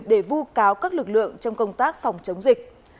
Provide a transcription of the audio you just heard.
để vu cáo các lực lượng trong công tác phòng chống dịch